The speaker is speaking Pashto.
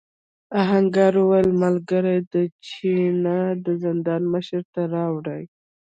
آهنګر وویل ملګري دا چپنه د زندان مشر ته راوړې.